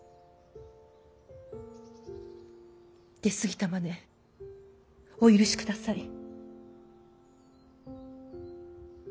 出過ぎたまねお許しください。